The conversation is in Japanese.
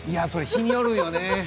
日によるよね。